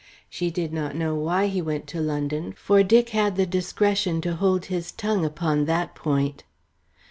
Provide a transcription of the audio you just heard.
She did not know why he went to London, for Dick had the discretion to hold his tongue upon that point.